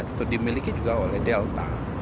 atau dimiliki juga oleh delta